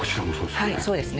はいそうですね。